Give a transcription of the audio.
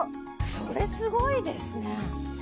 それすごいですね。